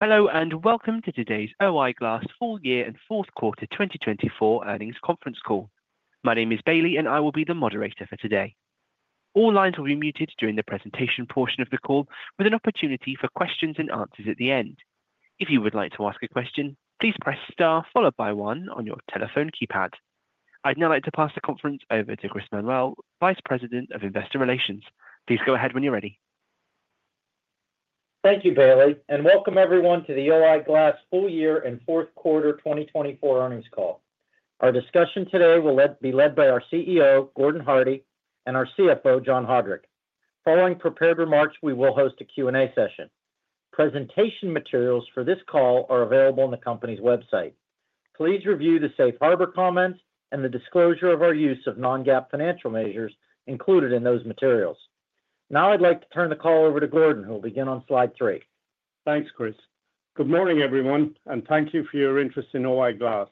Hello, and welcome to today's O-I Glass Full Year and Fourth Quarter 2024 Earnings Conference Call. My name is Bailey, and I will be the moderator for today. All lines will be muted during the presentation portion of the call, with an opportunity for questions and answers at the end. If you would like to ask a question, please press star followed by one on your telephone keypad. I'd now like to pass the conference over to Chris Manuel, Vice President of investor relations. please go ahead when you're ready. Thank you, Bailey, and welcome everyone to the O-I Glass Full Year and Fourth Quarter 2024 Earnings Call. Our discussion today will be led by our CEO, Gordon Hardie, and our CFO, John Haudrich. Following prepared remarks, we will host a Q&A session. Presentation materials for this call are available on the company's website. Please review the safe harbor comments and the disclosure of our use of non-GAAP financial measures included in those materials. Now, I'd like to turn the call over to Gordon, who will begin on slide three. Thanks, Chris. Good morning, everyone, and thank you for your interest in O-I Glass.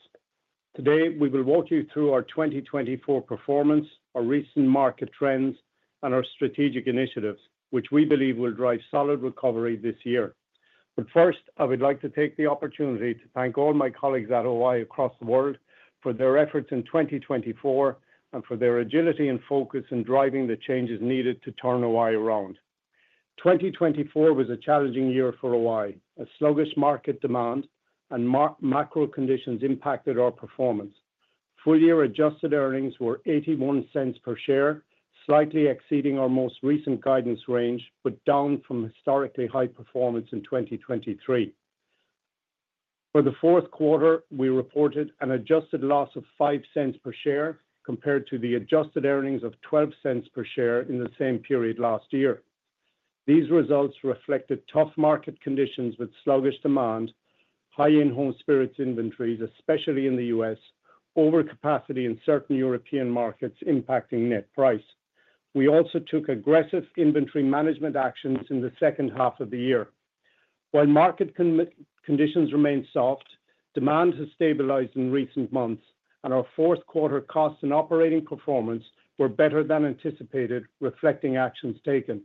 Today, we will walk you through our 2024 performance, our recent market trends, and our strategic initiatives, which we believe will drive solid recovery this year but first, I would like to take the opportunity to thank all my colleagues at O-I across the world for their efforts in 2024 and for their agility and focus in driving the changes needed to turn O-I around. 2024 was a challenging year for O-I. A sluggish market demand and macro conditions impacted our performance. Full-year adjusted earnings were $0.81 per share, slightly exceeding our most recent guidance range, but down from historically high performance in 2023. For the fourth quarter, we reported an adjusted loss of $0.05 per share compared to the adjusted earnings of $0.12 per share in the same period last year. These results reflected tough market conditions with sluggish demand, high in-home spirits inventories, especially in the U.S., overcapacity in certain European markets impacting net price. We also took aggressive inventory management actions in the second half of the year. While market conditions remained soft, demand has stabilized in recent months, and our fourth quarter costs and operating performance were better than anticipated, reflecting actions taken.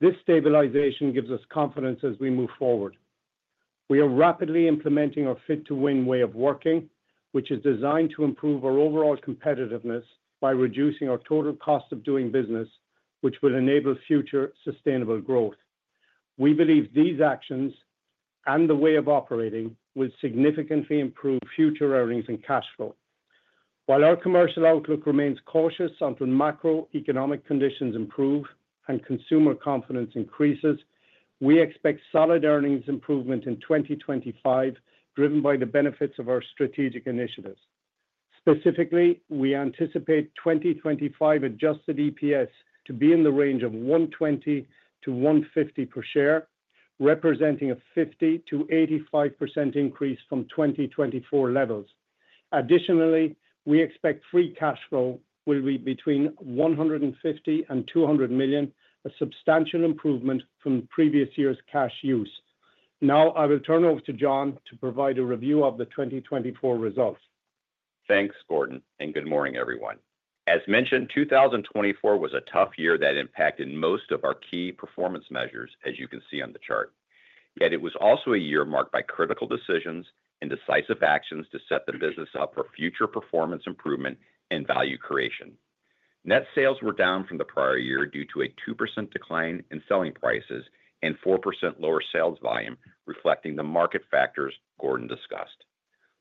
This stabilization gives us confidence as we move forward. We are rapidly implementing our Fit to Win way of working, which is designed to improve our overall competitiveness by reducing our total cost of doing business, which will enable future sustainable growth. We believe these actions and the way of operating will significantly improve future earnings and cash flow. While our commercial outlook remains cautious until macroeconomic conditions improve and consumer confidence increases, we expect solid earnings improvement in 2025, driven by the benefits of our strategic initiatives. Specifically, we anticipate 2025 Adjusted EPS to be in the range of $1.20-$1.50 per share, representing a 50%-85% increase from 2024 levels. Additionally, we expect Free Cash Flow will be between $150 million and $200 million, a substantial improvement from previous year's cash use. Now, I will turn over to John to provide a review of the 2024 results. Thanks, Gordon, and good morning, everyone. As mentioned, 2024 was a tough year that impacted most of our key performance measures, as you can see on the chart. Yet, it was also a year marked by critical decisions and decisive actions to set the business up for future performance improvement and value creation. Net sales were down from the prior year due to a 2% decline in selling prices and 4% lower sales volume, reflecting the market factors Gordon discussed.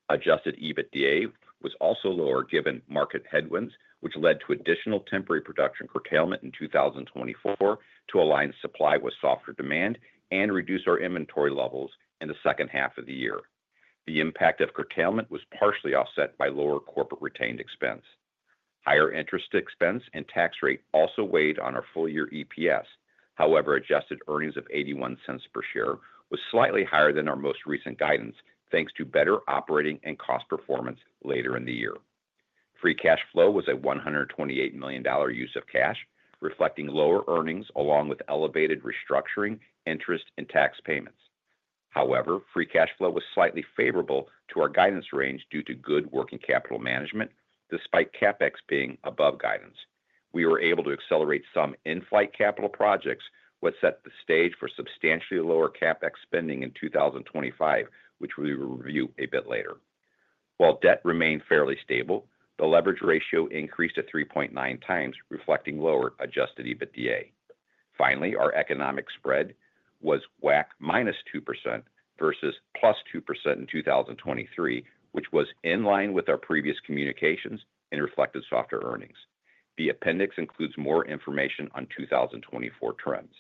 Adjusted EBITDA was also lower given market headwinds, which led to additional temporary production curtailment in 2024 to align supply with softer demand and reduce our inventory levels in the second half of the year. The impact of curtailment was partially offset by lower corporate retained expense. Higher interest expense and tax rate also weighed on our full-year EPS. However, adjusted earnings of $0.81 per share was slightly higher than our most recent guidance, thanks to better operating and cost performance later in the year. Free cash flow was a $128 million use of cash, reflecting lower earnings along with elevated restructuring, interest, and tax payments. However, free cash flow was slightly favorable to our guidance range due to good working capital management, despite CapEx being above guidance. We were able to accelerate some in-flight capital projects, which set the stage for substantially lower CapEx spending in 2025, which we will review a bit later. While debt remained fairly stable, the leverage ratio increased to 3.9 times, reflecting lower adjusted EBITDA. Finally, our economic spread was WACC minus 2% versus plus 2% in 2023, which was in line with our previous communications and reflected softer earnings. The appendix includes more information on 2024 trends.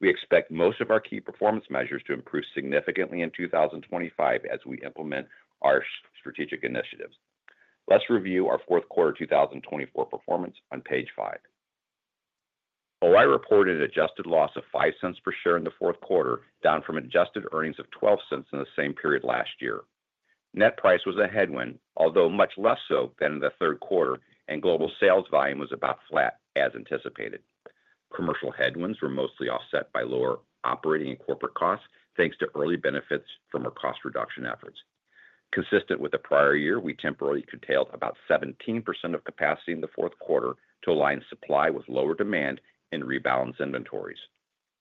We expect most of our key performance measures to improve significantly in 2025 as we implement our strategic initiatives. Let's review our fourth quarter 2024 performance on page five. O-I reported an adjusted loss of $0.05 per share in the fourth quarter, down from adjusted earnings of $0.12 in the same period last year. Net price was a headwind, although much less so than in the third quarter, and global sales volume was about flat as anticipated. Commercial headwinds were mostly offset by lower operating and corporate costs, thanks to early benefits from our cost reduction efforts. Consistent with the prior year, we temporarily curtailed about 17% of capacity in the fourth quarter to align supply with lower demand and rebalance inventories.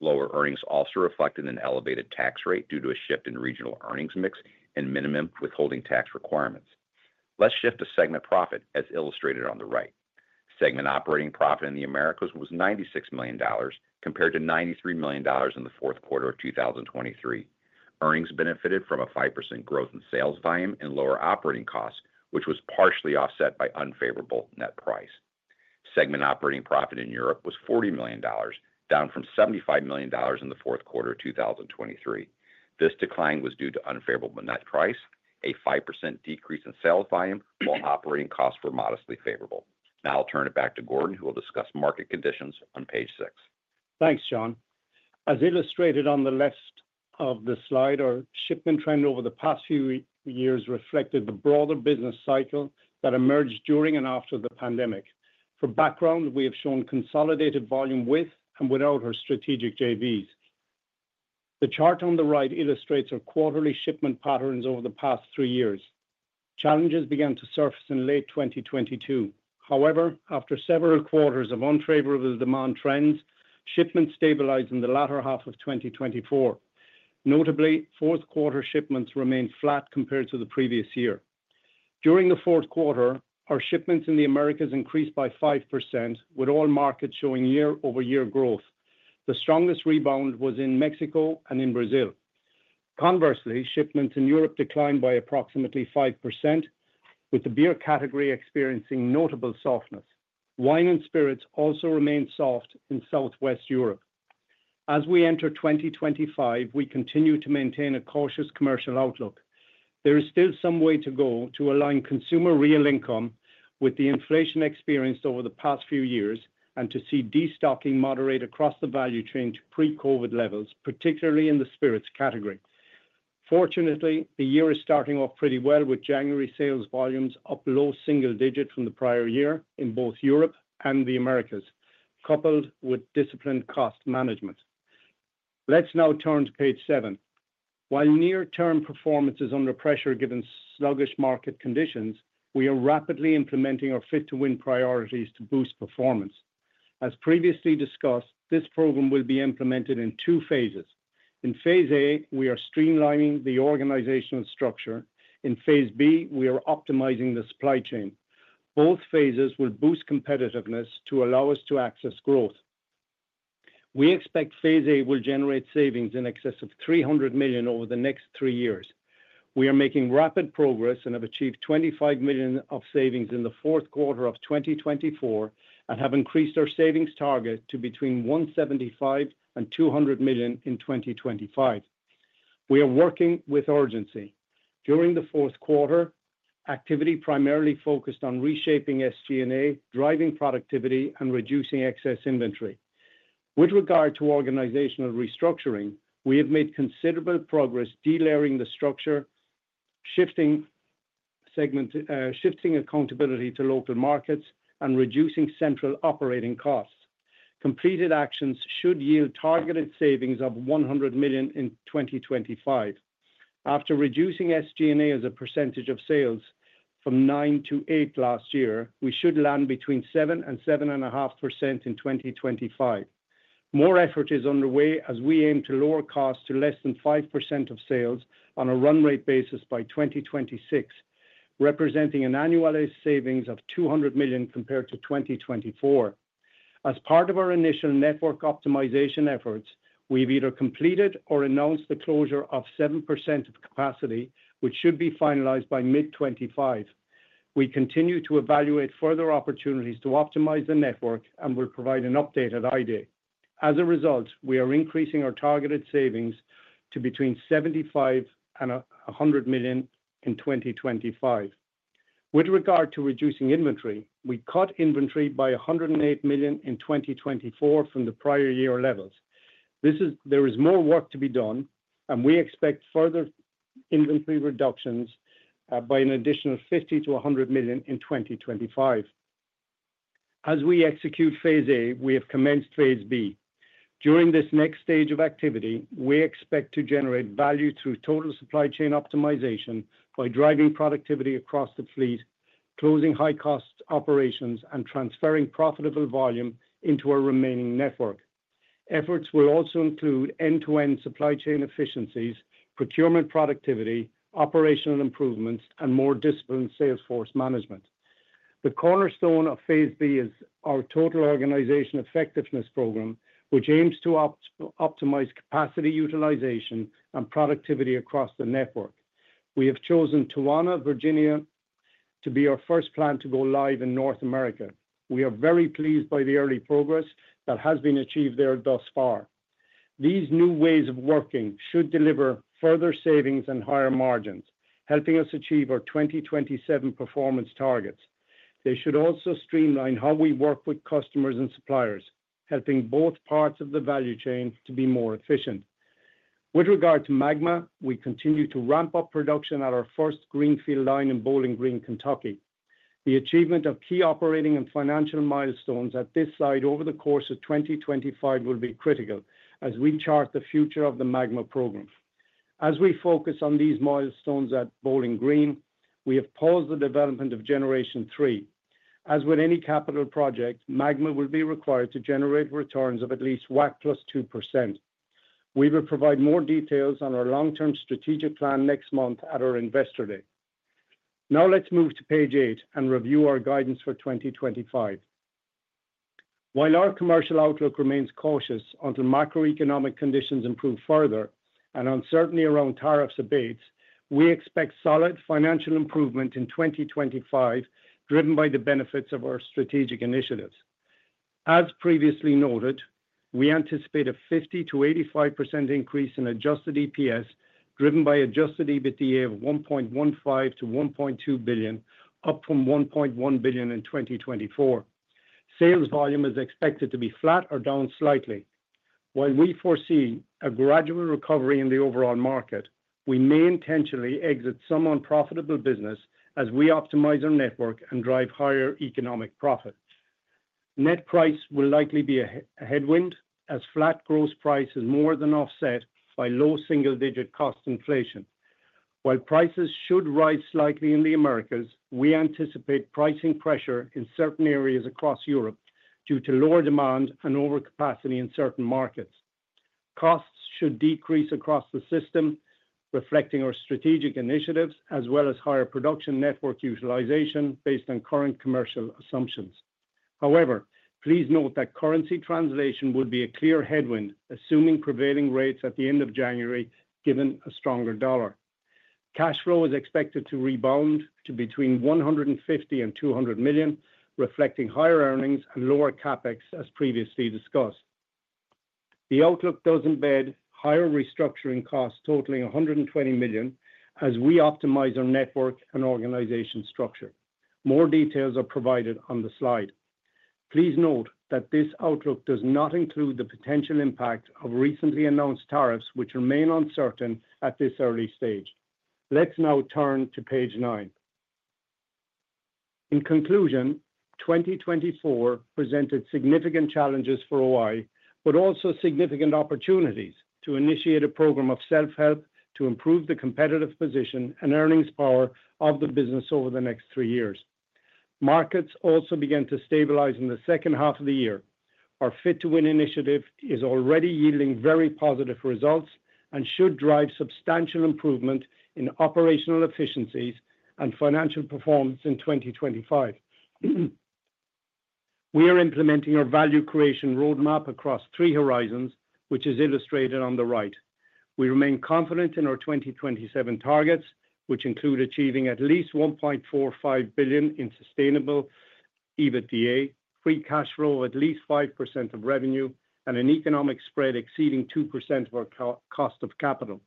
Lower earnings also reflected an elevated tax rate due to a shift in regional earnings mix and minimum withholding tax requirements. Let's shift to segment profit, as illustrated on the right. Segment operating profit in the Americas was $96 million, compared to $93 million in the fourth quarter of 2023. Earnings benefited from a 5% growth in sales volume and lower operating costs, which was partially offset by unfavorable net price. Segment operating profit in Europe was $40 million, down from $75 million in the fourth quarter of 2023. This decline was due to unfavorable net price, a 5% decrease in sales volume, while operating costs were modestly favorable. Now, I'll turn it back to Gordon, who will discuss market conditions on page six. Thanks, John. As illustrated on the left of the slide, our shipment trend over the past few years reflected the broader business cycle that emerged during and after the pandemic. For background, we have shown consolidated volume with and without our strategic JVs. The chart on the right illustrates our quarterly shipment patterns over the past three years. Challenges began to surface in late 2022. However, after several quarters of unfavorable demand trends, shipments stabilized in the latter half of 2024. Notably, fourth quarter shipments remained flat compared to the previous year. During the fourth quarter, our shipments in the Americas increased by 5%, with all markets showing year-over-year growth. The strongest rebound was in Mexico and in Brazil. Conversely, shipments in Europe declined by approximately 5%, with the beer category experiencing notable softness. Wine and spirits also remained soft in Southwest Europe. As we enter 2025, we continue to maintain a cautious commercial outlook. There is still some way to go to align consumer real income with the inflation experienced over the past few years and to see destocking moderate across the value chain to pre-COVID levels, particularly in the spirits category. Fortunately, the year is starting off pretty well, with January sales volumes up low single digits from the prior year in both Europe and the Americas, coupled with disciplined cost management. Let's now turn to page seven. While near-term performance is under pressure given sluggish market conditions, we are rapidly implementing our Fit to Win priorities to boost performance. As previously discussed, this program will be implemented in two phases. In phase A, we are streamlining the organizational structure. In phase B, we are optimizing the supply chain. Both phases will boost competitiveness to allow us to access growth. We expect phase A will generate savings in excess of $300 million over the next three years. We are making rapid progress and have achieved $25 million of savings in the fourth quarter of 2024 and have increased our savings target to between $175 million and $200 million in 2025. We are working with urgency. During the fourth quarter, activity primarily focused on reshaping SG&A, driving productivity, and reducing excess inventory. With regard to organizational restructuring, we have made considerable progress delayering the structure, shifting accountability to local markets, and reducing central operating costs. Completed actions should yield targeted savings of $100 million in 2025. After reducing SG&A as a percentage of sales from 9% to 8% last year, we should land between 7% and 7.5% in 2025. More effort is underway as we aim to lower costs to less than 5% of sales on a run rate basis by 2026, representing an annualized savings of $200 million compared to 2024. As part of our initial network optimization efforts, we've either completed or announced the closure of 7% of capacity, which should be finalized by mid-2025. We continue to evaluate further opportunities to optimize the znetwork and will provide an updated I-Day. As a result, we are increasing our targeted savings to between $75 million and $100 million in 2025. With regard to reducing inventory, we cut inventory by $108 million in 2024 from the prior year levels. There is more work to be done, and we expect further inventory reductions by an additional $50 million to $100 million in 2025. As we execute phase A, we have commenced phase B. During this next stage of activity, we expect to generate value through total supply chain optimization by driving productivity across the fleet, closing high-cost operations, and transferring profitable volume into our remaining network. Efforts will also include end-to-end supply chain efficiencies, procurement productivity, operational improvements, and more disciplined sales force management. The cornerstone of phase B is our Total Organization Effectiveness program, which aims to optimize capacity utilization and productivity across the network. We have chosen Toano, Virginia, to be our first plant to go live in North America. We are very pleased by the early progress that has been achieved there thus far. These new ways of working should deliver further savings and higher margins, helping us achieve our 2027 performance targets. They should also streamline how we work with customers and suppliers, helping both parts of the value chain to be more efficient. With regard to MAGMA, we continue to ramp up production at our first greenfield line in Bowling Green, Kentucky. The achievement of key operating and financial milestones at this site over the course of 2025 will be critical as we chart the future of the MAGMA program. As we focus on these milestones at Bowling Green, we have paused the development of generation three. As with any capital project, MAGMA will be required to generate returns of at least WACC plus 2%. We will provide more details on our long-term strategic plan next month at our Investor Day. Now, let's move to page eight and review our guidance for 2025. While our commercial outlook remains cautious until macroeconomic conditions improve further and uncertainty around tariffs abates, we expect solid financial improvement in 2025, driven by the benefits of our strategic initiatives. As previously noted, we anticipate a 50%-85% increase in Adjusted EPS, driven by Adjusted EBITDA of $1.15-$1.2 billion, up from $1.1 billion in 2024. Sales volume is expected to be flat or down slightly. While we foresee a gradual recovery in the overall market, we may intentionally exit some unprofitable business as we optimize our network and drive higher economic profit. Net price will likely be a headwind as flat gross price is more than offset by low single-digit cost inflation. While prices should rise slightly in the Americas, we anticipate pricing pressure in certain areas across Europe due to lower demand and overcapacity in certain markets. Costs should decrease across the system, reflecting our strategic initiatives as well as higher production network utilization based on current commercial assumptions. However, please note that currency translation would be a clear headwind, assuming prevailing rates at the end of January, given a stronger dollar. Cash flow is expected to rebound to between $150 million and $200 million, reflecting higher earnings and lower CapEx, as previously discussed. The outlook does embed higher restructuring costs totaling $120 million as we optimize our network and organization structure. More details are provided on the slide. Please note that this outlook does not include the potential impact of recently announced tariffs, which remain uncertain at this early stage. Let's now turn to page nine. In conclusion, 2024 presented significant challenges for O-I, but also significant opportunities to initiate a program of self-help to improve the competitive position and earnings power of the business over the next three years. Markets also began to stabilize in the second half of the year. Our Fit to Win initiative is already yielding very positive results and should drive substantial improvement in operational efficiencies and financial performance in 2025. We are implementing our value creation roadmap across three horizons, which is illustrated on the right. We remain confident in our 2027 targets, which include achieving at least $1.45 billion in sustainable EBITDA, free cash flow of at least 5% of revenue, and an economic spread exceeding 2% of our cost of capital.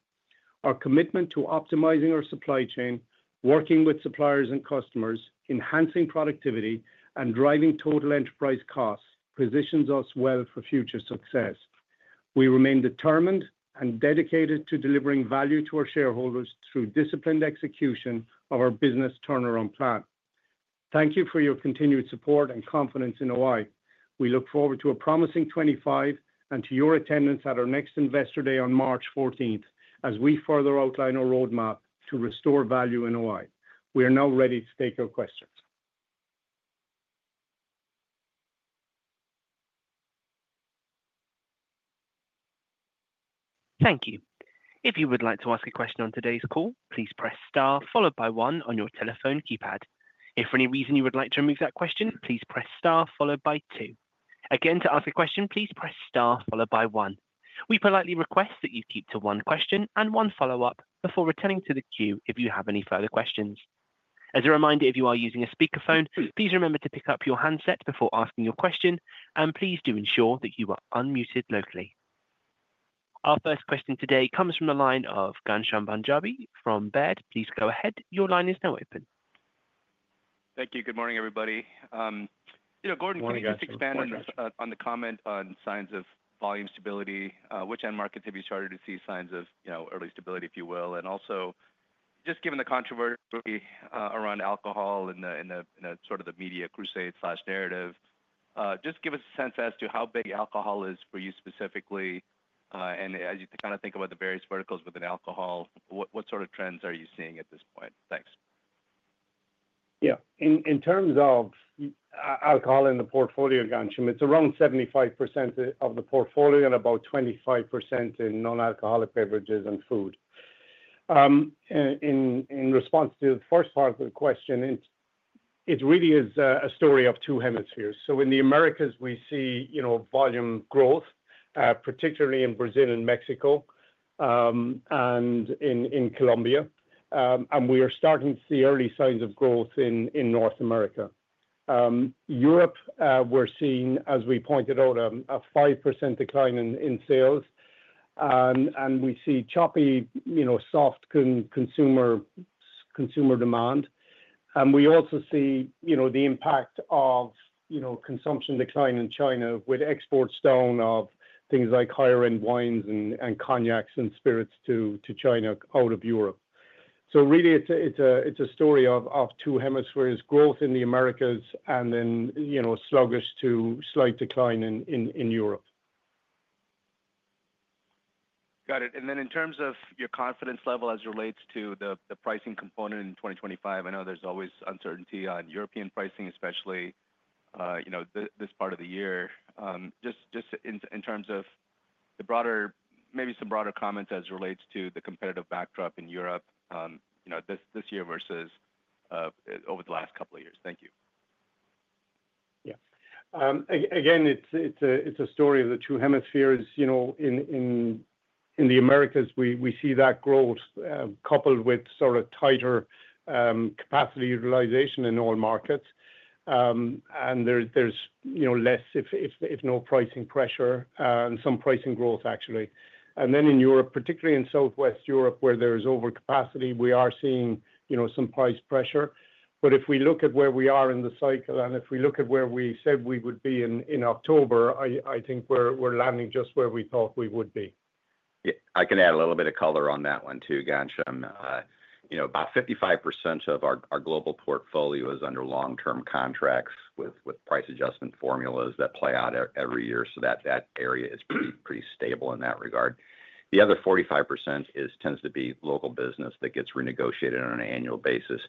Our commitment to optimizing our supply chain, working with suppliers and customers, enhancing productivity, and driving total enterprise costs positions us well for future success. We remain determined and dedicated to delivering value to our shareholders through disciplined execution of our business turnaround plan. Thank you for your continued support and confidence in O-I. We look forward to a promising 2025 and to your attendance at our next Investor Day on March 14th as we further outline our roadmap to restore value in O-I. We are now ready to take your questions. Thank you. If you would like to ask a question on today's call, please press star followed by one on your telephone keypad. If for any reason you would like to remove that question, please press star followed by two. Again, to ask a question, please press star followed by one. We politely request that you keep to one question and one follow-up before returning to the queue if you have any further questions. As a reminder, if you are using a speakerphone, please remember to pick up your handset before asking your question, and please do ensure that you are unmuted locally. Our first question today comes from the line of Ghansham Panjabi from Baird. Please go ahead. Your line is now open. Thank you. Good morning, everybody. You know, Gordon, can you just expand on the comment on signs of volume stability? Which end markets have you started to see signs of, you know, early stability, if you will? And also, just given the controversy around alcohol and the sort of the media crusade narrative, just give us a sense as to how big alcohol is for you specifically. And as you kind of think about the various verticals within alcohol, what sort of trends are you seeing at this point? Thanks. Yeah. In terms of alcohol in the portfolio, Ghansham, it's around 75% of the portfolio and about 25% in non-alcoholic beverages and food. In response to the first part of the question, it really is a story of two hemispheres, so in the Americas, we see, you know, volume growth, particularly in Brazil and Mexico and in Colombia, and we are starting to see early signs of growth in North America. Europe, we're seeing, as we pointed out, a 5% decline in sales, and we see choppy, you know, soft consumer demand, and we also see, you know, the impact of, you know, consumption decline in China with exports down of things like higher-end wines and cognacs and spirits to China out of Europe, so really, it's a story of two hemispheres: growth in the Americas and then, you know, sluggish to slight decline in Europe. Got it. And then in terms of your confidence level as it relates to the pricing component in 2025, I know there's always uncertainty on European pricing, especially, you know, this part of the year. Just in terms of the broader, maybe some broader comments as it relates to the competitive backdrop in Europe, you know, this year versus over the last couple of years. Thank you. Yeah. Again, it's a story of the two hemispheres. You know, in the Americas, we see that growth coupled with sort of tighter capacity utilization in all markets. And there's, you know, less, if no pricing pressure, and some pricing growth, actually. And then in Europe, particularly in Southwest Europe, where there is overcapacity, we are seeing, you know, some price pressure. But if we look at where we are in the cycle and if we look at where we said we would be in October, I think we're landing just where we thought we would be. I can add a little bit of color on that one too, Ghansham. You know, about 55% of our global portfolio is under long-term contracts with price adjustment formulas that play out every year. So that area is pretty stable in that regard. The other 45% tends to be local business that gets renegotiated on an annual basis.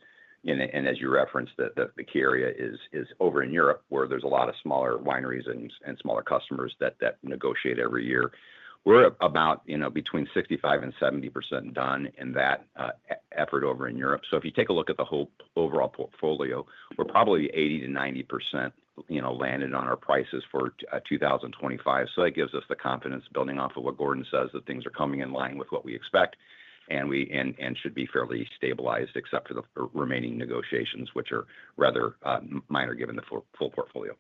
And as you referenced, the key area is over in Europe, where there's a lot of smaller wineries and smaller customers that negotiate every year. We're about, you know, between 65% and 70% done in that effort over in Europe. So if you take a look at the whole overall portfolio, we're probably 80% to 90%, you know, landed on our prices for 2025. So that gives us the confidence, building off of what Gordon says, that things are coming in line with what we expect and should be fairly stabilized, except for the remaining negotiations, which are rather minor given the full portfolio.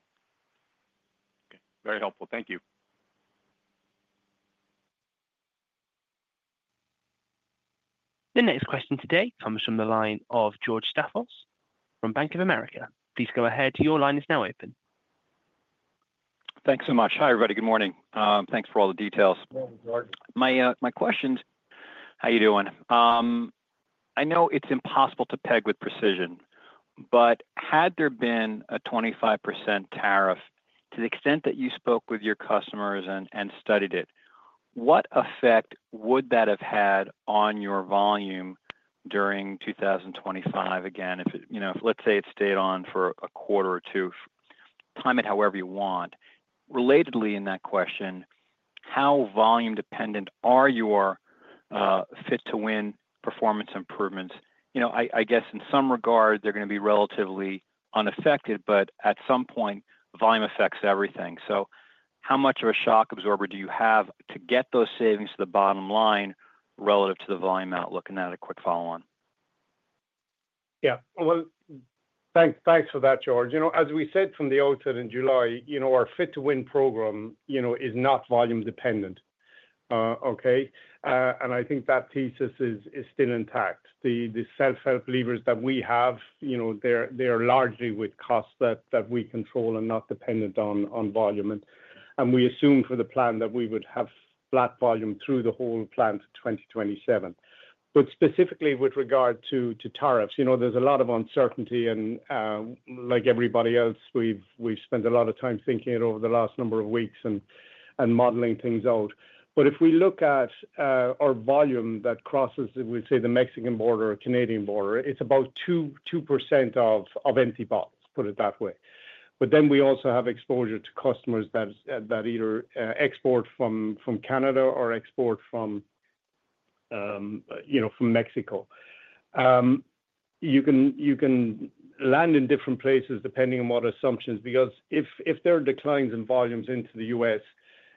Okay. Very helpful. Thank you. The next question today comes from the line of George Staphos from Bank of America. Please go ahead. Your line is now open. Thanks so much. Hi, everybody. Good morning. Thanks for all the details. My questions. How are you doing? I know it's impossible to peg with precision, but had there been a 25% tariff to the extent that you spoke with your customers and studied it, what effect would that have had on your volume during 2025? Again, if, you know, let's say it stayed on for a quarter or two, time it however you want. Relatedly in that question, how volume-dependent are your Fit to Win performance improvements? You know, I guess in some regard, they're going to be relatively unaffected, but at some point, volume affects everything. So how much of a shock absorber do you have to get those savings to the bottom line relative to the volume outlook? And then a quick follow-on. Yeah. Well, thanks for that, George. You know, as we said from the outset in July, you know, our Fit to Win program, you know, is not volume-dependent, okay? And I think that thesis is still intact. The self-help levers that we have, you know, they are largely with costs that we control and not dependent on volume. And we assume for the plan that we would have flat volume through the whole plan to 2027. But specifically with regard to tariffs, you know, there's a lot of uncertainty. And like everybody else, we've spent a lot of time thinking it over the last number of weeks and modeling things out. But if we look at our volume that crosses, we say, the Mexican border or Canadian border, it's about 2% of empty box, put it that way. We also have exposure to customers that either export from Canada or export from, you know, from Mexico. You can land in different places depending on what assumptions, because if there are declines in volumes into the U.S.,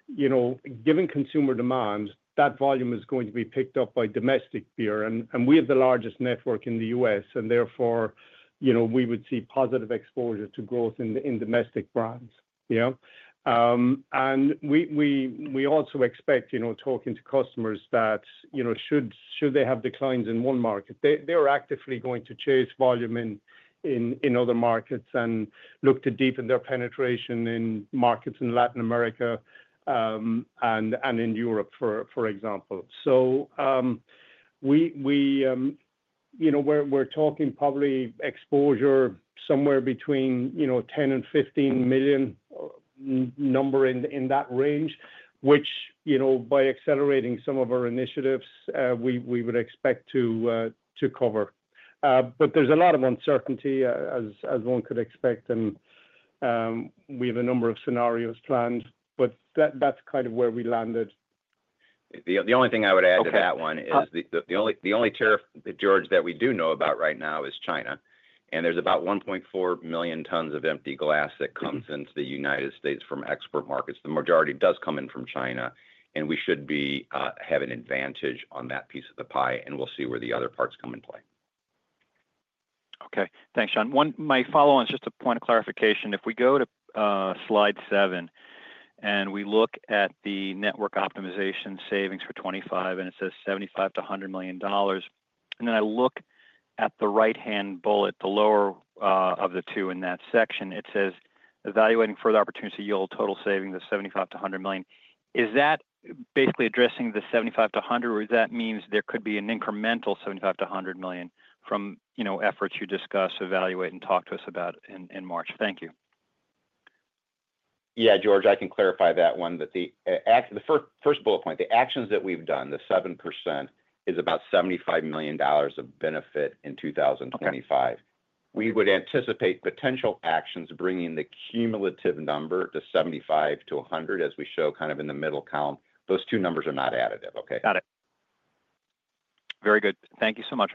you know, given consumer demand, that volume is going to be picked up by domestic beer. We have the largest network in the U.S., and therefore, you know, we would see positive exposure to growth in domestic brands, you know? We also expect, you know, talking to customers that, you know, should they have declines in one market, they are actively going to chase volume in other markets and look to deepen their penetration in markets in Latin America and in Europe, for example. So we, you know, we're talking probably exposure somewhere between, you know, $10 and $15 million number in that range, which, you know, by accelerating some of our initiatives, we would expect to cover. But there's a lot of uncertainty, as one could expect. And we have a number of scenarios planned, but that's kind of where we landed. The only thing I would add to that one is the only tariff, George, that we do know about right now is China. And there's about 1.4 million tons of empty glass that comes into the United States from export markets. The majority does come in from China. And we should have an advantage on that piece of the pie. And we'll see where the other parts come into play. Okay. Thanks, John. My follow-on is just a point of clarification. If we go to slide seven and we look at the network optimization savings for 2025, and it says $75-$100 million. And then I look at the right-hand bullet, the lower of the two in that section, it says, "Evaluating further opportunity to yield total savings of $75-$100 million." Is that basically addressing the $75-$100, or that means there could be an incremental $75-$100 million from, you know, efforts you discuss, evaluate, and talk to us about in March? Thank you. Yeah, George, I can clarify that one. The first bullet point, the actions that we've done, the 7% is about $75 million of benefit in 2025. We would anticipate potential actions bringing the cumulative number to $75-$100, as we show kind of in the middle column. Those two numbers are not additive, okay? Got it. Very good. Thank you so much.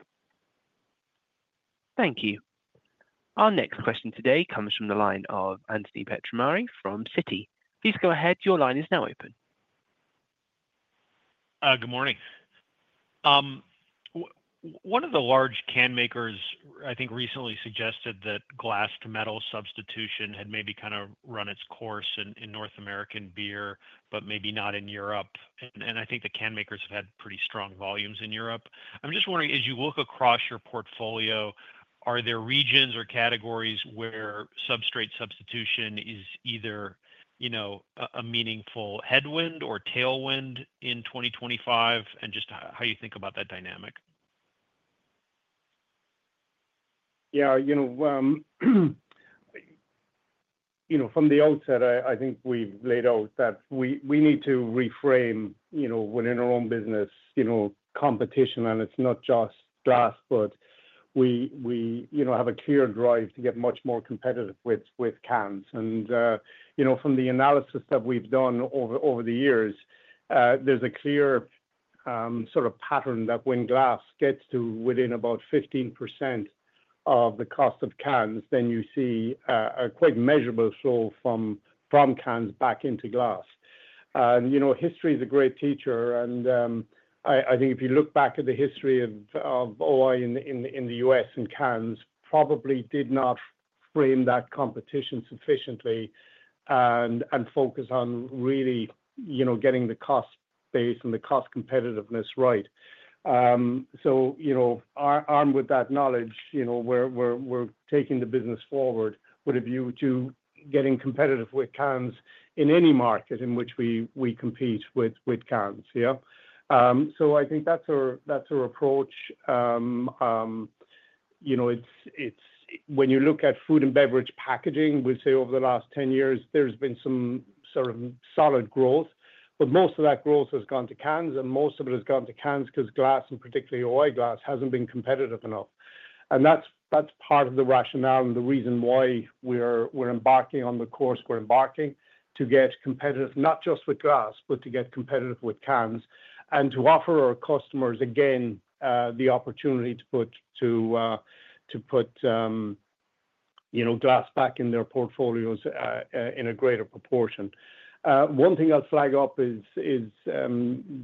Thank you. Our next question today comes from the line of Anthony Pettinari from Citi. Please go ahead. Your line is now open. Good morning. One of the large can makers, I think, recently suggested that glass-to-metal substitution had maybe kind of run its course in North American beer, but maybe not in Europe. And I think the can makers have had pretty strong volumes in Europe. I'm just wondering, as you look across your portfolio, are there regions or categories where substrate substitution is either, you know, a meaningful headwind or tailwind in 2025? And just how you think about that dynamic? Yeah. You know, you know, from the outset, I think we've laid out that we need to reframe, you know, within our own business, you know, competition. And it's not just glass, but we, you know, have a clear drive to get much more competitive with cans. And, you know, from the analysis that we've done over the years, there's a clear sort of pattern that when glass gets to within about 15% of the cost of cans, then you see a quite measurable flow from cans back into glass. And, you know, history is a great teacher. And I think if you look back at the history of O-I in the U.S. and cans probably did not frame that competition sufficiently and focus on really, you know, getting the cost base and the cost competitiveness right. So, you know, armed with that knowledge, you know, we're taking the business forward with a view to getting competitive with cans in any market in which we compete with cans, yeah? So I think that's our approach. You know, when you look at food and beverage packaging, we say over the last 10 years, there's been some sort of solid growth. But most of that growth has gone to cans, and most of it has gone to cans because glass, and particularly O-I Glass, hasn't been competitive enough. And that's part of the rationale and the reason why we're embarking on the course we're embarking to get competitive, not just with glass, but to get competitive with cans and to offer our customers, again, the opportunity to put, you know, glass back in their portfolios in a greater proportion. One thing I'll flag up is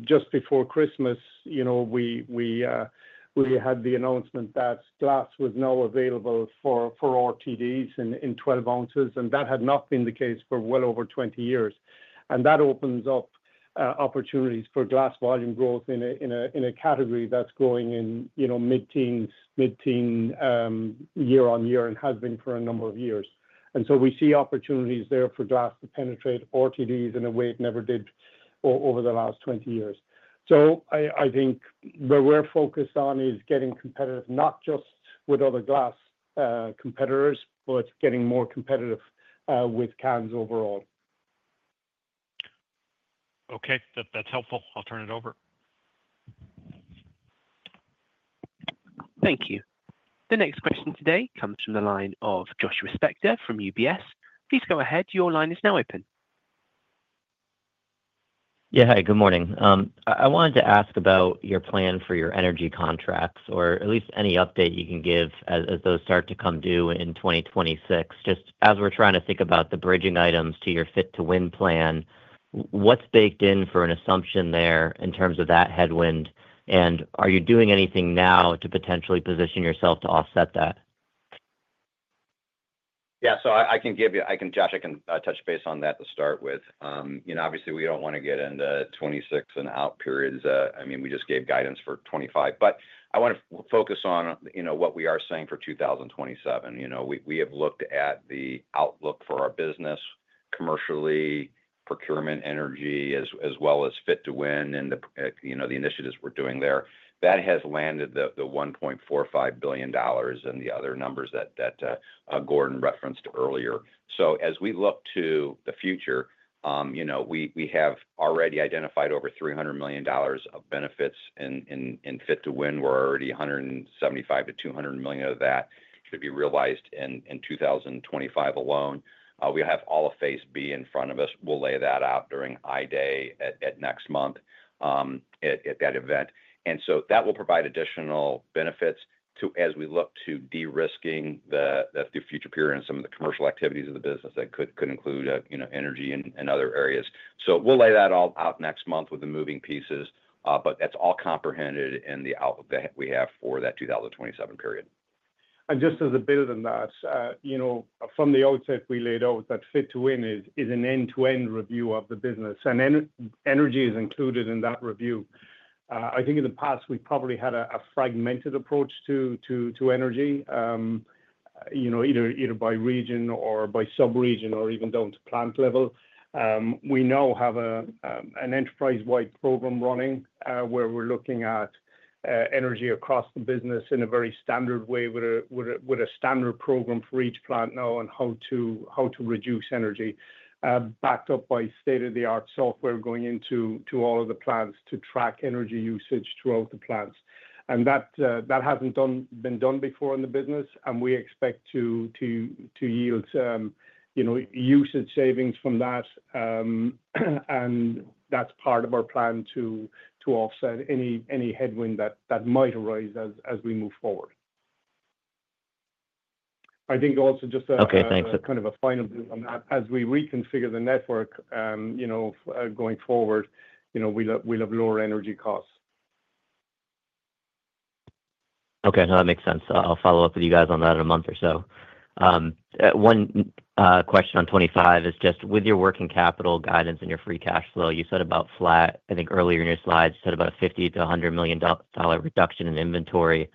just before Christmas, you know, we had the announcement that glass was now available for RTDs in 12 ounces, and that had not been the case for well over 20 years, and that opens up opportunities for glass volume growth in a category that's growing in, you know, mid-teen year on year and has been for a number of years, and so we see opportunities there for glass to penetrate RTDs in a way it never did over the last 20 years, so I think where we're focused on is getting competitive, not just with other glass competitors, but getting more competitive with cans overall. Okay. That's helpful. I'll turn it over. Thank you. The next question today comes from the line of Joshua Spector from UBS. Please go ahead. Your line is now open. Yeah. Hi, good morning. I wanted to ask about your plan for your energy contracts, or at least any update you can give as those start to come due in 2026. Just as we're trying to think about the bridging items to your Fit to Win plan, what's baked in for an assumption there in terms of that headwind? And are you doing anything now to potentially position yourself to offset that? Yeah. So I can give you, Josh, I can touch base on that to start with. You know, obviously, we don't want to get into 2026 and out periods. I mean, we just gave guidance for 2025. But I want to focus on, you know, what we are saying for 2027. You know, we have looked at the outlook for our business commercially, procurement energy, as well as Fit to Win and the initiatives we're doing there. That has landed the $1.45 billion and the other numbers that Gordon referenced earlier. So as we look to the future, you know, we have already identified over $300 million of benefits in Fit to Win. We're already $175 million-$200 million of that should be realized in 2025 alone. We have all of phase B in front of us. We'll lay that out during I-Day at next month at that event. And so that will provide additional benefits as we look to de-risking the future period and some of the commercial activities of the business that could include energy and other areas. So we'll lay that all out next month with the moving pieces. But that's all comprehended in the outlook that we have for that 2027 period. Just as a bit of a note, you know, from the outset, we laid out that Fit to Win is an end-to-end review of the business. Energy is included in that review. I think in the past, we probably had a fragmented approach to energy, you know, either by region or by sub-region or even down to plant level. We now have an enterprise-wide program running where we're looking at energy across the business in a very standard way with a standard program for each plant now on how to reduce energy, backed up by state-of-the-art software going into all of the plants to track energy usage throughout the plants. That hasn't been done before in the business. We expect to yield, you know, usage savings from that. That's part of our plan to offset any headwind that might arise as we move forward. I think also just kind of a final view on that. As we reconfigure the network, you know, going forward, you know, we'll have lower energy costs. Okay. No, that makes sense. I'll follow up with you guys on that in a month or so. One question on 2025 is just with your working capital guidance and your free cash flow, you said about flat. I think earlier in your slides, you said about a $50-$100 million reduction in inventory.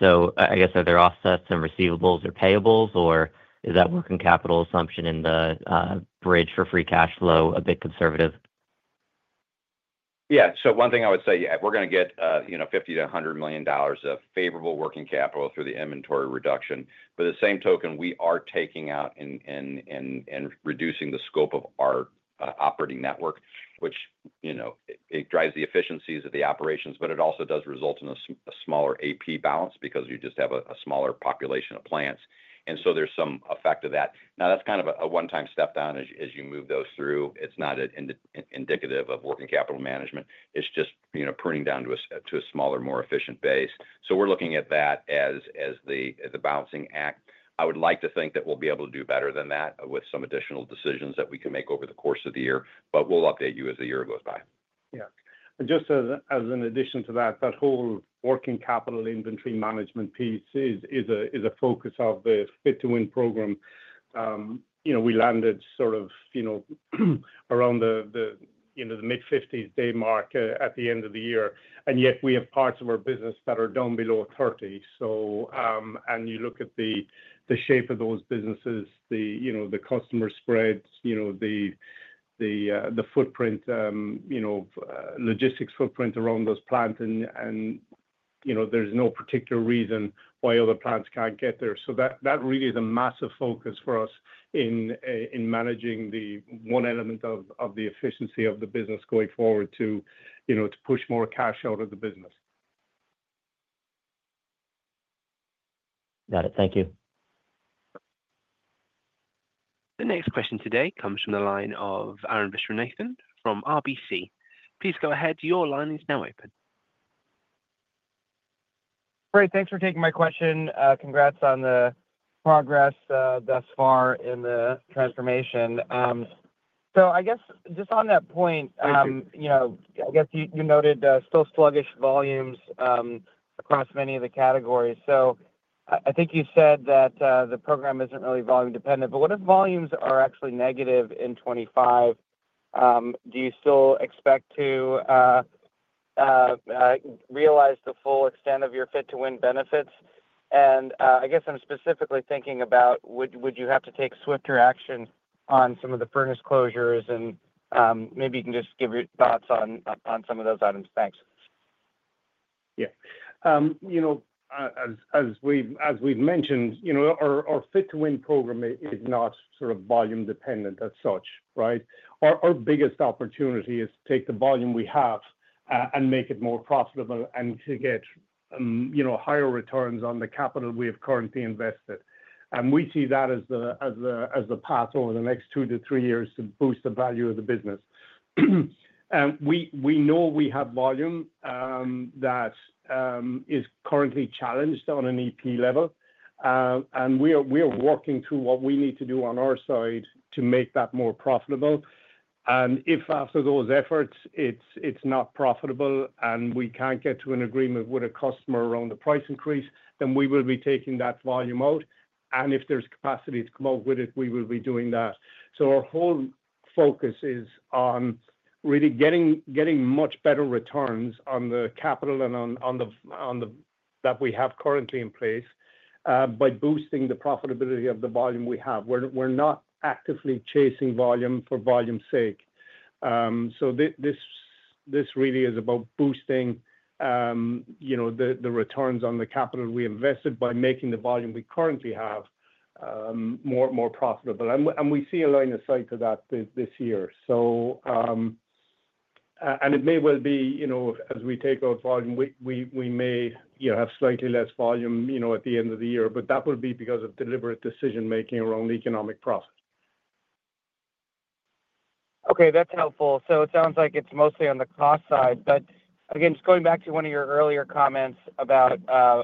So I guess are there offsets in receivables or payables, or is that working capital assumption in the bridge for free cash flow a bit conservative? Yeah. One thing I would say is we're going to get, you know, $50-$100 million of favorable working capital through the inventory reduction. But at the same token, we are taking out and reducing the scope of our operating network, which, you know, drives the efficiencies of the operations, but it also does result in a smaller AP balance because you just have a smaller population of plants. And so there's some effect of that. Now, that's kind of a one-time step down as you move those through. It's not indicative of working capital management. It's just, you know, pruning down to a smaller, more efficient base. So we're looking at that as the balancing act. I would like to think that we'll be able to do better than that with some additional decisions that we can make over the course of the year. But we'll update you as the year goes by. Yeah. Just as an addition to that, that whole working capital inventory management piece is a focus of the Fit to Win program. You know, we landed sort of, you know, around the, you know, the mid-50s day mark at the end of the year. Yet we have parts of our business that are down below 30. So you look at the shape of those businesses, the, you know, the customer spreads, you know, the footprint, you know, logistics footprint around those plants. And, you know, there's no particular reason why other plants can't get there. So that really is a massive focus for us in managing the one element of the efficiency of the business going forward to, you know, to push more cash out of the business. Got it. Thank you. The next question today comes from the line of Arun Viswanathan from RBC. Please go ahead. Your line is now open. Great. Thanks for taking my question. Congrats on the progress thus far in the transformation. So I guess just on that point, you know, I guess you noted still sluggish volumes across many of the categories. So I think you said that the program isn't really volume dependent. But what if volumes are actually negative in 2025? Do you still expect to realize the full extent of your Fit to Win benefits? And I guess I'm specifically thinking about, would you have to take swifter action on some of the furnace closures? And maybe you can just give your thoughts on some of those items. Thanks. Yeah. You know, as we've mentioned, you know, our Fit to Win program is not sort of volume dependent as such, right? Our biggest opportunity is to take the volume we have and make it more profitable and to get, you know, higher returns on the capital we have currently invested. And we see that as the path over the next two to three years to boost the value of the business. And we know we have volume that is currently challenged on an EP level. And we are working through what we need to do on our side to make that more profitable. And if after those efforts, it's not profitable and we can't get to an agreement with a customer around the price increase, then we will be taking that volume out. And if there's capacity to come out with it, we will be doing that. Our whole focus is on really getting much better returns on the capital that we have currently in place by boosting the profitability of the volume we have. We're not actively chasing volume for volume's sake. This really is about boosting, you know, the returns on the capital we invested by making the volume we currently have more profitable. We see a line of sight to that this year. It may well be, you know, as we take out volume, we may, you know, have slightly less volume, you know, at the end of the year. But that would be because of deliberate decision-making around economic profit. Okay. That's helpful. So it sounds like it's mostly on the cost side. But again, just going back to one of your earlier comments about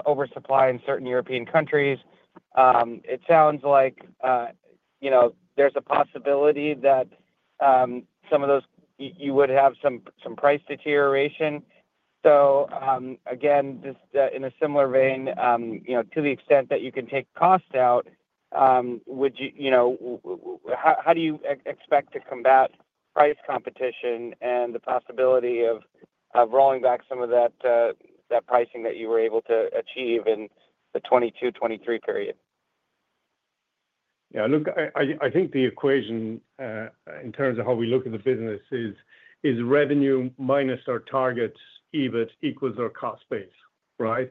oversupply in certain European countries, it sounds like, you know, there's a possibility that some of those you would have some price deterioration. So again, just in a similar vein, you know, to the extent that you can take cost out, would you, you know, how do you expect to combat price competition and the possibility of rolling back some of that pricing that you were able to achieve in the 2022, 2023 period? Yeah. Look, I think the equation in terms of how we look at the business is revenue minus our target EBIT equals our cost base, right?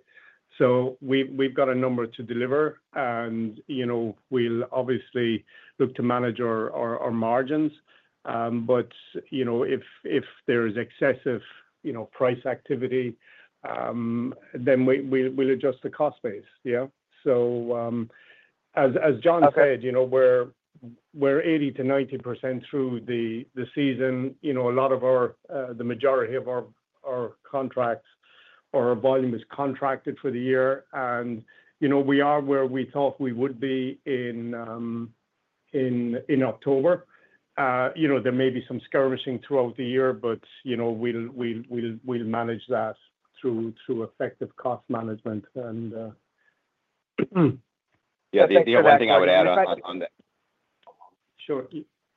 So we've got a number to deliver. And, you know, we'll obviously look to manage our margins. But, you know, if there's excessive, you know, price activity, then we'll adjust the cost base, yeah? So as John said, you know, we're 80%-90% through the season. You know, a lot of our, the majority of our contracts or our volume is contracted for the year. And, you know, we are where we thought we would be in October. You know, there may be some skirmishing throughout the year, but, you know, we'll manage that through effective cost management. Yeah. The only thing I would add on that. Sure.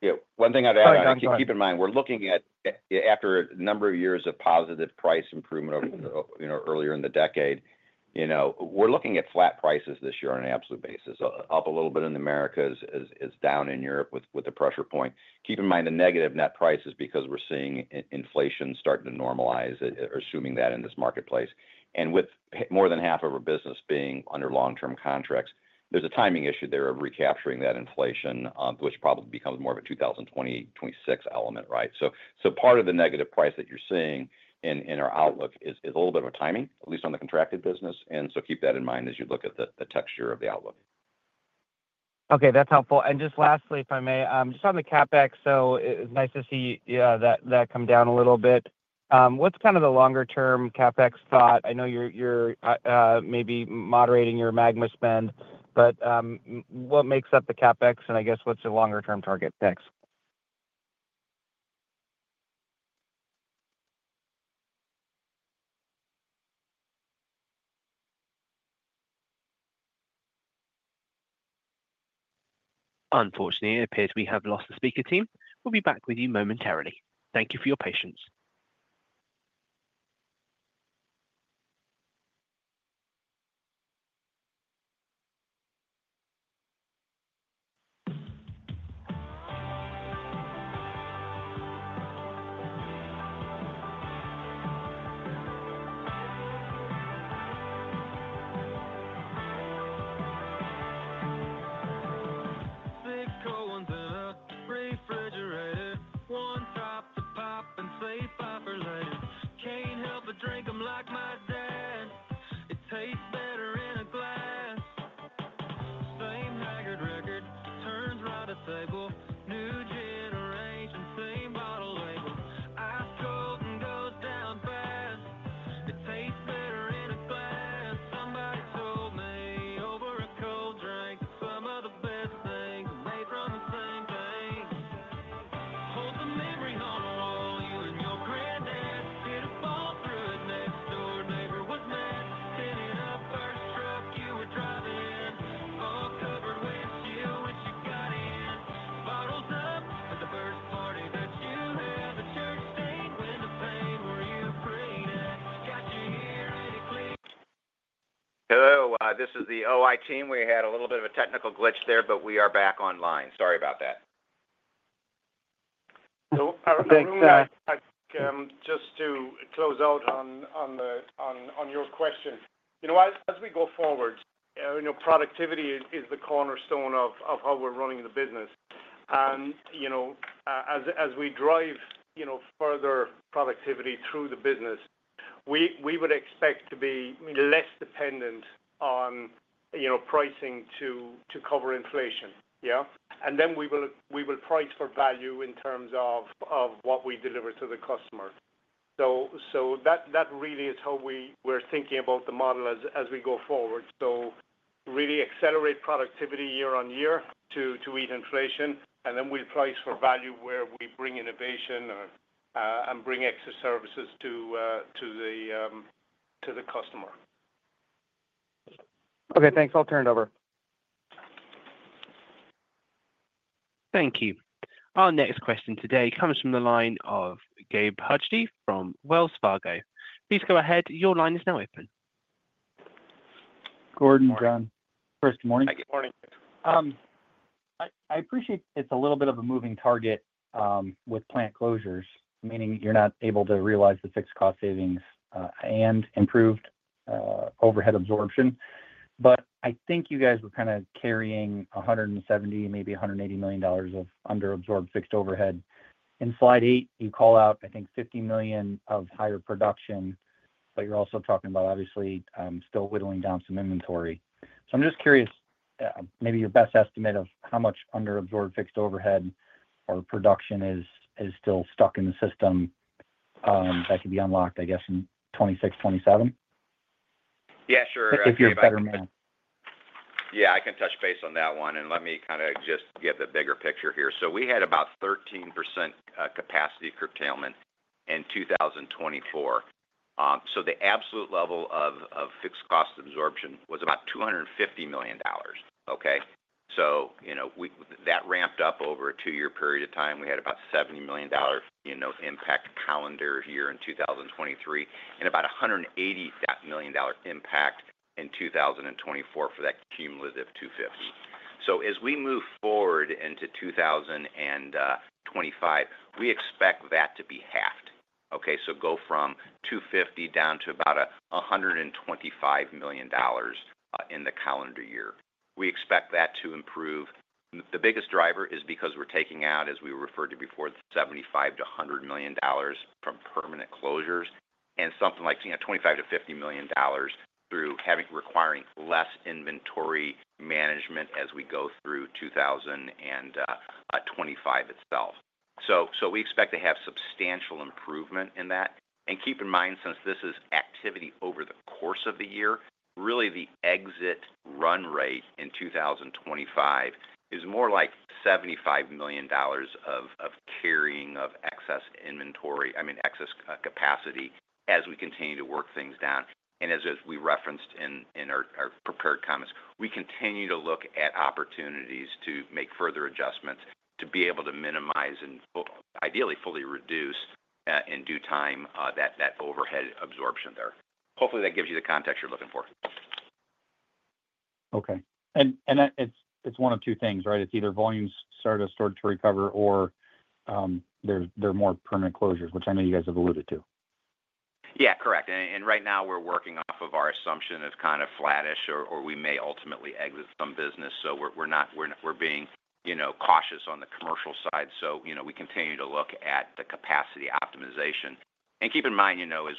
Yeah. One thing I'd add on that, keep in mind, we're looking at, after a number of years of positive price improvement, you know, earlier in the decade, you know, we're looking at flat prices this year on an absolute basis. Up a little bit in the Americas is down in Europe with the pressure point. Keep in mind the negative net prices because we're seeing inflation starting to normalize, assuming that in this marketplace. And with more than half of our business being under long-term contracts, there's a timing issue there of recapturing that inflation, which probably becomes more of a 2025, 2026 element, right? So part of the negative price that you're seeing in our outlook is a little bit of a timing, at least on the contracted business. And so keep that in mind as you look at the texture of the outlook. Okay. That's helpful. And just lastly, if I may, just on the CapEx, so it's nice to see that come down a little bit. What's kind of the longer-term CapEx thought? I know you're maybe moderating your MAGMA spend. But what makes up the CapEx? And I guess what's your longer-term target fix? Unfortunately, it appears we have lost the speaker team. We'll be back with you momentarily. Thank you for your patience. Hello. This is the O-I team. We had a little bit of a technical glitch there, but we are back online. Sorry about that. Thanks, guys. Just to close out on your question, you know, as we go forward, you know, productivity is the cornerstone of how we're running the business. And, you know, as we drive, you know, further productivity through the business, we would expect to be less dependent on, you know, pricing to cover inflation, yeah? And then we will price for value in terms of what we deliver to the customer. So that really is how we're thinking about the model as we go forward. So really accelerate productivity year on year to beat inflation. And then we'll price for value where we bring innovation and bring extra services to the customer. Okay. Thanks. I'll turn it over. Thank you. Our next question today comes from the line of Gabe Hajde from Wells Fargo. Please go ahead. Your line is now open. Gordon, John. Good morning. Good morning. I appreciate it's a little bit of a moving target with plant closures, meaning you're not able to realize the fixed cost savings and improved overhead absorption. But I think you guys were kind of carrying $170 million-$180 million of under-absorbed fixed overhead. In slide eight, you call out, I think, $50 million of higher production, but you're also talking about, obviously, still whittling down some inventory. So I'm just curious, maybe your best estimate of how much under-absorbed fixed overhead or production is still stuck in the system that could be unlocked, I guess, in 2026, 2027? Yeah, sure. I can. If you're a better man. Yeah. I can touch base on that one. And let me kind of just get the bigger picture here. So we had about 13% capacity curtailment in 2024. So the absolute level of fixed cost absorption was about $250 million, okay? So, you know, that ramped up over a two-year period of time. We had about $70 million, you know, impact calendar year in 2023, and about $180 million impact in 2024 for that cumulative $250. So as we move forward into 2025, we expect that to be halved, okay? So go from $250 down to about $125 million in the calendar year. We expect that to improve. The biggest driver is because we're taking out, as we referred to before, $75-$100 million from permanent closures and something like, you know, $25-$50 million through requiring less inventory management as we go through 2025 itself. So we expect to have substantial improvement in that. And keep in mind, since this is activity over the course of the year, really the exit run rate in 2025 is more like $75 million of carrying of excess inventory, I mean, excess capacity as we continue to work things down. And as we referenced in our prepared comments, we continue to look at opportunities to make further adjustments to be able to minimize and ideally fully reduce in due time that overhead absorption there. Hopefully, that gives you the context you're looking for. Okay. And it's one of two things, right? It's either volumes started to recover or they're more permanent closures, which I know you guys have alluded to. Yeah, correct. And right now, we're working off of our assumption of kind of flattish or we may ultimately exit some business. So we're being, you know, cautious on the commercial side. So, you know, we continue to look at the capacity optimization. And keep in mind, you know, as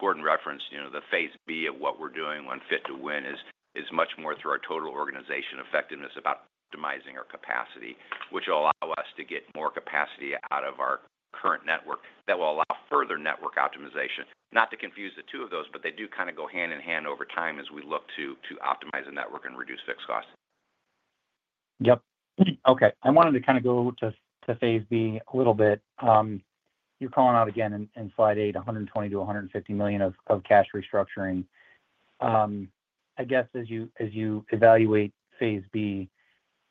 Gordon referenced, you know, the Phase B of what we're doing on Fit to Win is much more through our Total Organization Effectiveness about optimizing our capacity, which will allow us to get more capacity out of our current network that will allow further network optimization. Not to confuse the two of those, but they do kind of go hand in hand over time as we look to optimize the network and reduce fixed costs. Yep. Okay. I wanted to kind of go to phase B a little bit. You're calling out again in slide eight, $120 million-$150 million of cash restructuring. I guess as you evaluate phase B,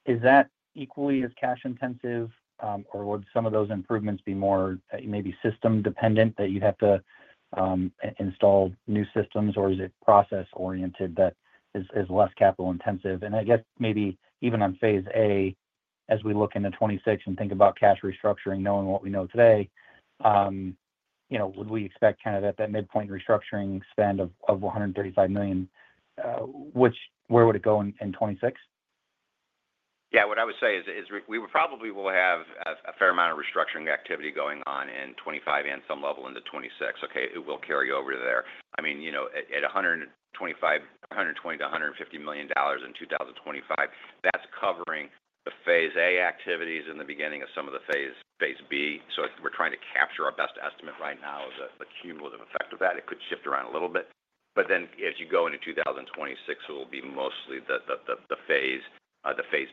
is that equally as cash intensive or would some of those improvements be more maybe system dependent that you'd have to install new systems or is it process oriented that is less capital intensive? And I guess maybe even on phase A, as we look into 2026 and think about cash restructuring, knowing what we know today, you know, would we expect kind of at that midpoint restructuring spend of $135 million, which where would it go in 2026? Yeah. What I would say is we probably will have a fair amount of restructuring activity going on in 2025 and some level into 2026, okay? It will carry over there. I mean, you know, at $120-$150 million in 2025, that's covering the phase A activities in the beginning of some of the phase Bs. So we're trying to capture our best estimate right now of the cumulative effect of that. It could shift around a little bit. But then as you go into 2026, it'll be mostly the phase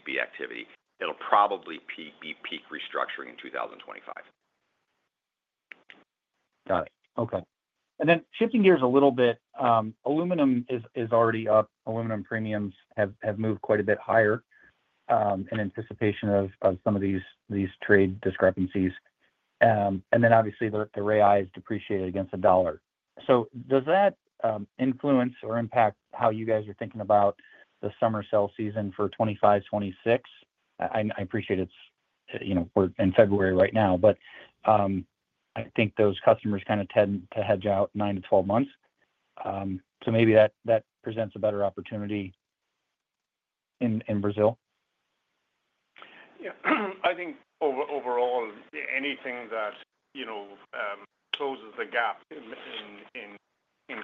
B activity. It'll probably be peak restructuring in 2025. Got it. Okay. And then shifting gears a little bit, aluminum is already up. Aluminum premiums have moved quite a bit higher in anticipation of some of these trade discrepancies. And then obviously, the Real is depreciated against the dollar. So does that influence or impact how you guys are thinking about the summer sales season for 2025, 2026? I appreciate it's, you know, we're in February right now, but I think those customers kind of tend to hedge out 9-12 months. So maybe that presents a better opportunity in Brazil? Yeah. I think overall, anything that, you know, closes the gap in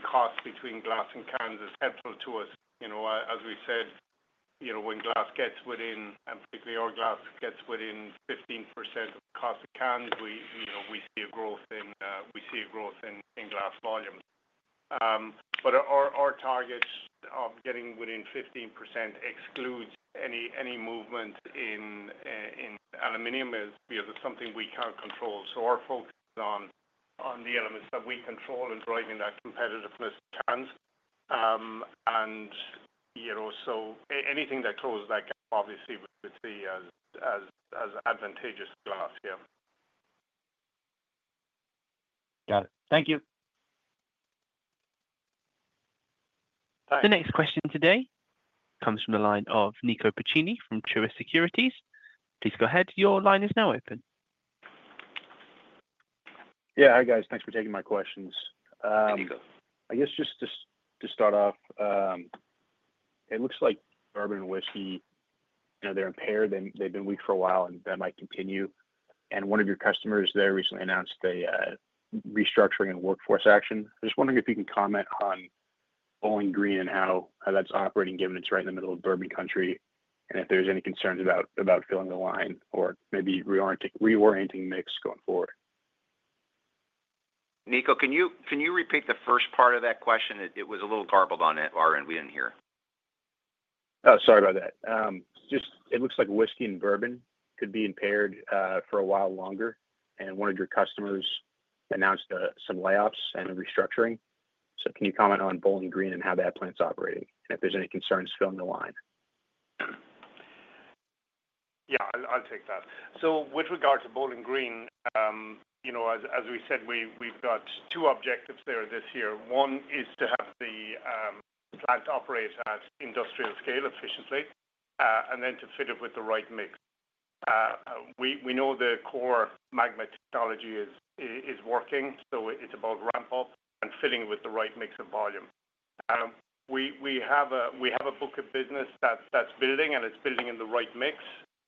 cost between glass and cans is helpful to us. You know, as we said, you know, when glass gets within, and particularly our glass gets within 15% of the cost of cans, you know, we see a growth in glass volumes. But our targets of getting within 15% excludes any movement in aluminum because it's something we can't control. So our focus is on the elements that we control in driving that competitiveness of cans. And, you know, so anything that closes that gap, obviously, we would see as advantageous glass, yeah. Got it. Thank you. Thanks. The next question today comes from the line of Niccolò Piccini from Truist Securities. Please go ahead. Your line is now open. Yeah. Hi, guys. Thanks for taking my questions. Nico. I guess just to start off, it looks like bourbon and whiskey, you know, they're impaired. They've been weak for a while and that might continue. And one of your customers there recently announced the restructuring and workforce action. I'm just wondering if you can comment on Bowling Green and how that's operating given it's right in the middle of bourbon country and if there's any concerns about filling the line or maybe reorienting mix going forward? Niccolò, can you repeat the first part of that question? It was a little garbled on our end. We didn't hear. Oh, sorry about that. Just, it looks like whiskey and bourbon could be impaired for a while longer, and one of your customers announced some layoffs and restructuring, so can you comment on Bowling Green and how that plant's operating and if there's any concerns filling the line? Yeah, I'll take that, so with regard to Bowling Green, you know, as we said, we've got two objectives there this year. One is to have the plant operate at industrial scale efficiently and then to fit it with the right mix. We know the core MAGMA technology is working. So it's about ramp up and fitting with the right mix of volume. We have a book of business that's building and it's building in the right mix.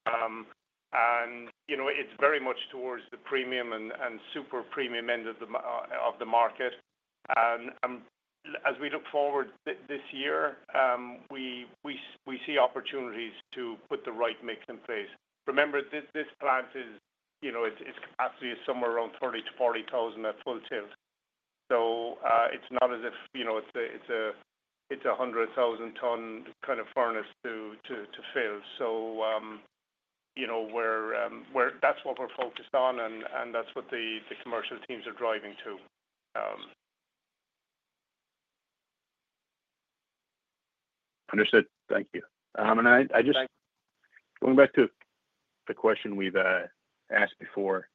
And, you know, it's very much towards the premium and super premium end of the market. As we look forward this year, we see opportunities to put the right mix in place. Remember, this plant is, you know, its capacity is somewhere around 30-40,000 at full tilt. So it's not as if, you know, it's a 100,000-ton kind of furnace to fill. So, you know, that's what we're focused on and that's what the commercial teams are driving to. Understood. Thank you. And I just going back to the question we've asked before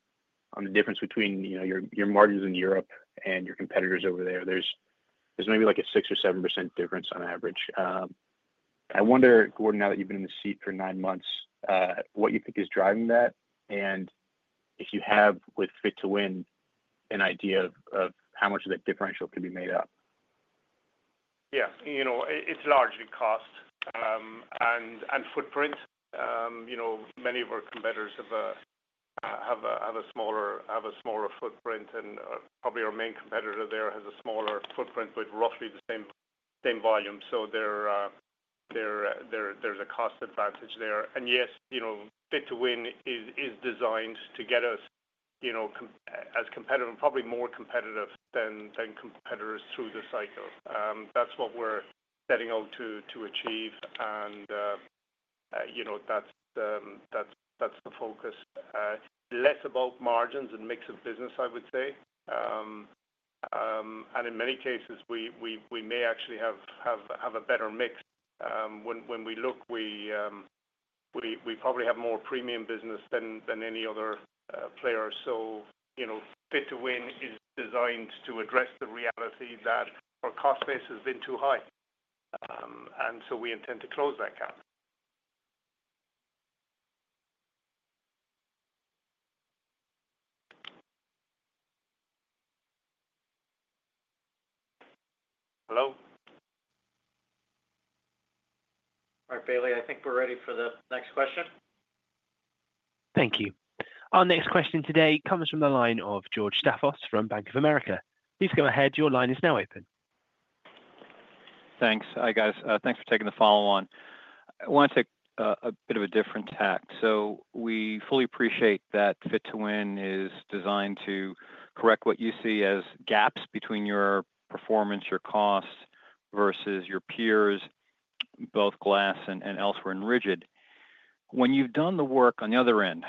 on the difference between, you know, your margins in Europe and your competitors over there, there's maybe like a 6% or 7% difference on average. I wonder, Gordon, now that you've been in the seat for nine months, what you think is driving that and if you have with Fit to Win an idea of how much of that differential could be made up? Yeah. You know, it's largely cost and footprint. You know, many of our competitors have a smaller footprint and probably our main competitor there has a smaller footprint with roughly the same volume. So there's a cost advantage there. And yes, you know, Fit to Win is designed to get us, you know, as competitive and probably more competitive than competitors through the cycle. That's what we're setting out to achieve. And, you know, that's the focus. Less about margins and mix of business, I would say. And in many cases, we may actually have a better mix. When we look, we probably have more premium business than any other player. So, you know, Fit to Win is designed to address the reality that our cost base has been too high. And so we intend to close that gap. Hello? Bailey, I think we're ready for the next question. Thank you. Our next question today comes from the line of George Staphos from Bank of America. Please go ahead. Your line is now open. Thanks. Hi, guys. Thanks for taking the follow-on. I want to take a bit of a different tack. So we fully appreciate that Fit to Win is designed to correct what you see as gaps between your performance, your cost versus your peers, both glass and elsewhere in rigid. When you've done the work on the other end,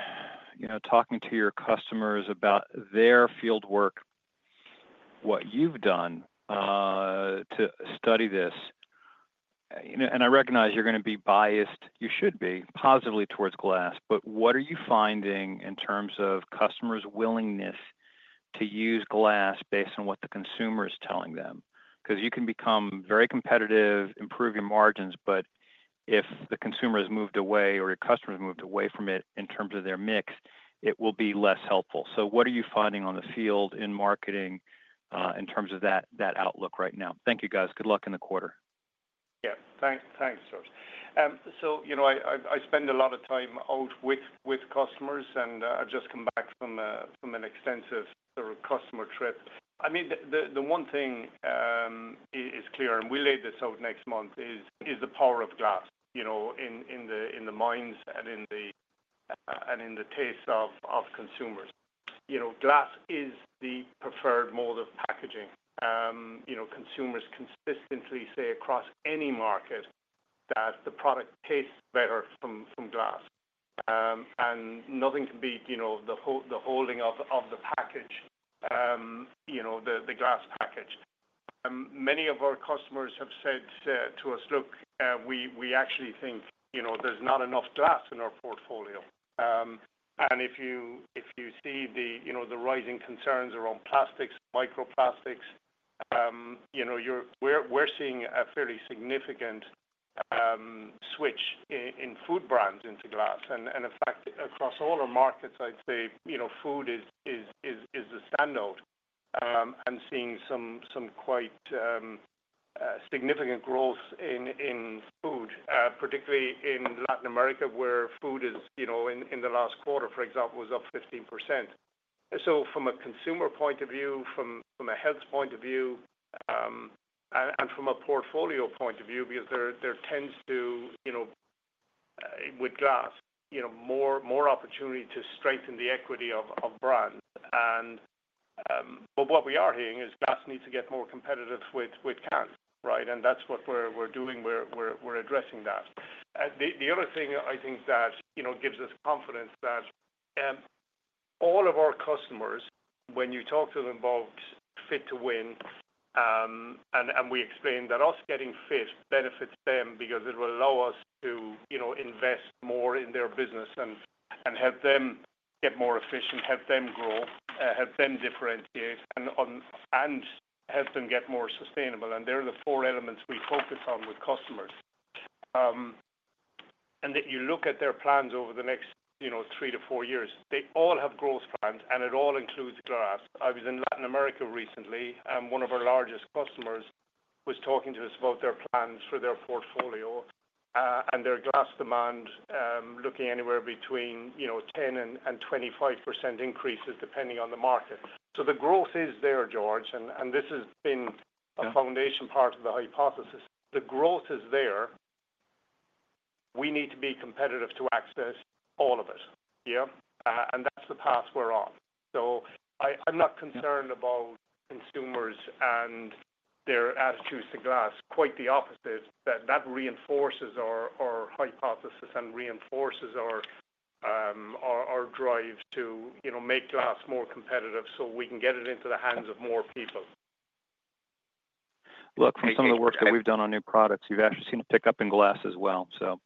you know, talking to your customers about their fieldwork, what you've done to study this, you know, and I recognize you're going to be biased, you should be positively towards glass, but what are you finding in terms of customers' willingness to use glass based on what the consumer is telling them? Because you can become very competitive, improve your margins, but if the consumer has moved away or your customers moved away from it in terms of their mix, it will be less helpful. So what are you finding on the field in marketing in terms of that outlook right now? Thank you, guys. Good luck in the quarter. Yeah. Thanks, George. So, you know, I spend a lot of time out with customers and I just come back from an extensive customer trip. I mean, the one thing is clear and we laid this out next month is the power of glass, you know, in the minds and in the taste of consumers. You know, glass is the preferred mode of packaging. You know, consumers consistently say across any market that the product tastes better from glass. And nothing can be, you know, the holding of the package, you know, the glass package. Many of our customers have said to us, "Look, we actually think, you know, there's not enough glass in our portfolio." And if you see the, you know, the rising concerns around plastics, microplastics, you know, we're seeing a fairly significant switch in food brands into glass. In fact, across all our markets, I'd say, you know, food is the standout. I'm seeing some quite significant growth in food, particularly in Latin America where food is, you know, in the last quarter, for example, was up 15%. So from a consumer point of view, from a health point of view, and from a portfolio point of view, because there tends to, you know, with glass, you know, more opportunity to strengthen the equity of brands. And what we are hearing is glass needs to get more competitive with cans, right? And that's what we're doing. We're addressing that. The other thing I think that, you know, gives us confidence that all of our customers, when you talk to them about Fit to Win, and we explain that us getting fit benefits them because it will allow us to, you know, invest more in their business and help them get more efficient, help them grow, help them differentiate, and help them get more sustainable. And they're the four elements we focus on with customers. And that you look at their plans over the next, you know, three to four years, they all have growth plans and it all includes glass. I was in Latin America recently and one of our largest customers was talking to us about their plans for their portfolio and their glass demand looking anywhere between, you know, 10% and 25% increases depending on the market. So the growth is there, George, and this has been a foundation part of the hypothesis. The growth is there. We need to be competitive to access all of it, yeah? And that's the path we're on. So I'm not concerned about consumers and their attitudes to glass. Quite the opposite. That reinforces our hypothesis and reinforces our drive to, you know, make glass more competitive so we can get it into the hands of more people. Look, from some of the work that we've done on new products, you've actually seen a pickup in glass as well. So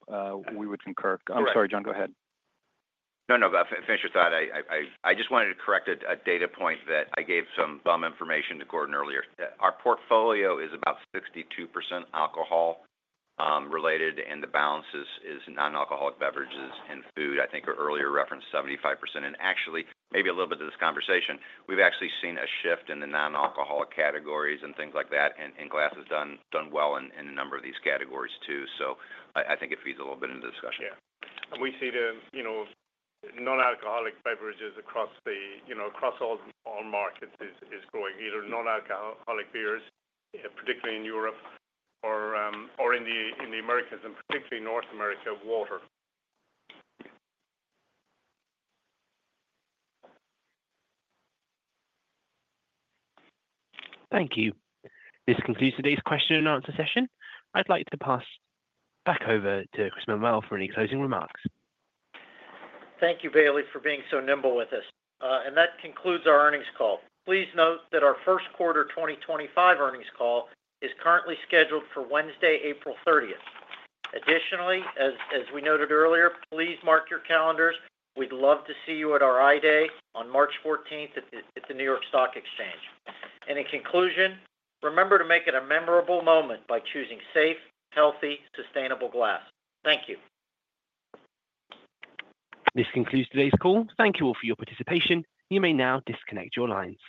we would concur. I'm sorry, John, go ahead. No, no, finish your thought. I just wanted to correct a data point that I gave some bum information to Gordon earlier. Our portfolio is about 62% alcohol-related and the balance is non-alcoholic beverages and food. I think earlier referenced 75%, and actually, maybe a little bit of this conversation, we've actually seen a shift in the non-alcoholic categories and things like that, and glass has done well in a number of these categories too. So I think it feeds a little bit into the discussion. Yeah, and we see the, you know, non-alcoholic beverages across the, you know, across all markets is growing. Either non-alcoholic beers, particularly in Europe or in the Americas and particularly North America, water. Thank you. This concludes today's question and answer session. I'd like to pass back over to Chris Manuel for any closing remarks. Thank you, Bailey, for being so nimble with us. And that concludes our earnings call. Please note that our first quarter 2025 earnings call is currently scheduled for Wednesday, April 30th. Additionally, as we noted earlier, please mark your calendars. We'd love to see you at I-Day on March 14th at the New York Stock Exchange. And in conclusion, remember to make it a memorable moment by choosing safe, healthy, sustainable glass. Thank you. This concludes today's call. Thank you all for your participation. You may now disconnect your lines.